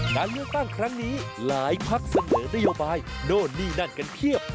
การเลือกตั้งครั้งนี้หลายพักเสนอนโยบายโน่นนี่นั่นกันเพียบ